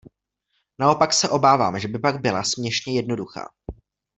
Naopak se obávám, že by pak byla směšně jednoduchá.